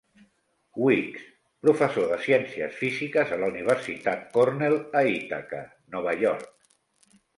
Weeks, professor de Ciències Físiques a la Universitat Cornell a Ithaca, Nova York.